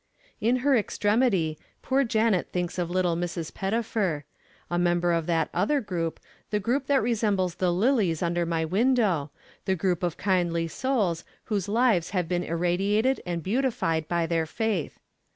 In her extremity, poor Janet thinks of little Mrs. Pettifer a member of that other group, the group that resembles the lilies under my window, the group of kindly souls whose lives have been irradiated and beautified by their faith.